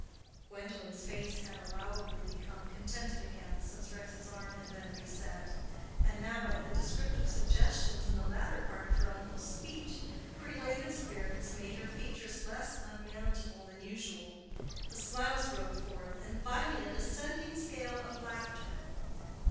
Gwendolen's face had allowably become contented again, since Rex's arm had been reset; and now, at the descriptive suggestions in the latter part of her uncle's speech, her elated spirits made her features less unmanageable than usual; the smiles broke forth, and finally a descending scale of laughter.